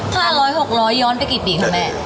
๕๐๐๖๐๐บาทย้อนไปกี่ปีครับแม่